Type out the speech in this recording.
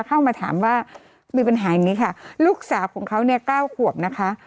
เข้ามาถามว่ามีปัญหาอย่างนี้ค่ะลูกสาวของเขาเนี่ย๙ขวบนะคะ